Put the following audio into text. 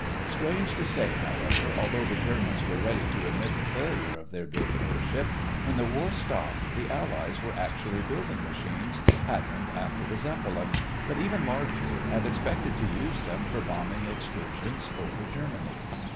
Strange to say, however, although the Germans were ready to admit the failure of their big airship, when the war stopped the Allies were actually building machines patterned after the Zeppelin, but even larger, and expected to use them for bombing excursions over Germany.